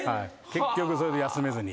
結局それで休めずに。